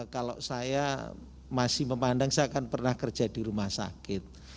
kalau saya masih memandang saya akan pernah kerja di rumah sakit